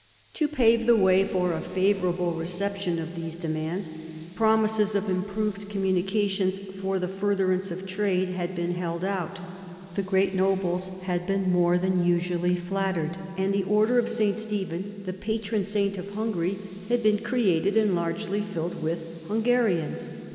To pave the way for a favourable reception of these demands, promises of improved communications for the furtherance of trade had been held out; the great nobles had been more than usually flattered; and the order of St. Stephen, the patron saint of Hungary, had been created and largely filled with Hungarians.